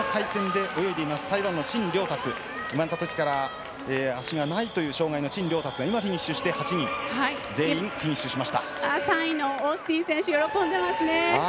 生まれたときから足がないという陳亮達が今フィニッシュして８人全員３位のオースティン選手喜んでいますね。